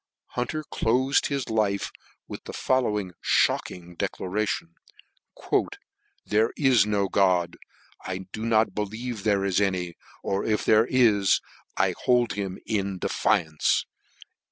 Hunter clofed his life with the following mocking declaration :" There f* is no God 1 do n >L believe there is any or f if there is, I hold hkn in defiance."